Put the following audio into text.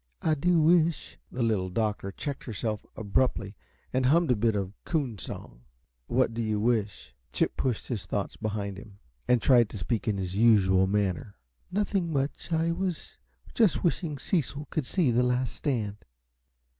"I do wish " The Little Doctor checked herself abruptly, and hummed a bit of coon song. "What do you wish?" Chip pushed his thoughts behind him, and tried to speak in his usual manner. "Nothing much. I was just wishing Cecil could see 'The Last Stand.'"